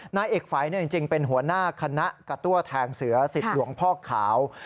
นายเอกฝัยจริงเป็นหัวหน้าคณะกระตั้วแทงเสือสิทธิ์หลวงพ่อขาว